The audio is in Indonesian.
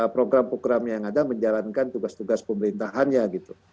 program program yang ada menjalankan tugas tugas pemerintahannya gitu